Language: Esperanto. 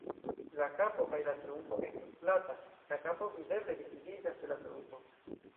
La kapo kaj la trunko estas plata, la kapo videble dividiĝas de la trunko.